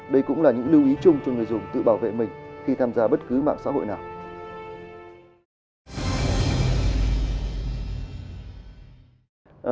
đây cũng là những lưu ý chung cho người dùng tự bảo vệ mình khi tham gia bất cứ mạng xã hội nào